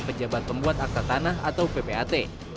pejabat pembuat akta tanah atau ppat